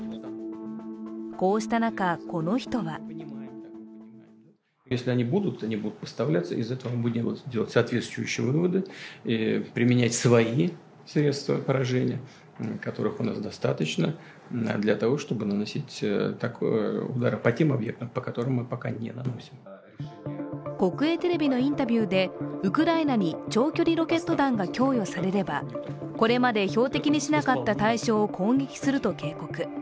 こうした中、この人は国営テレビのインタビューで、ウクライナに長距離ロケット弾が供与されればこれまで標的にしなかった対象を攻撃すると警告。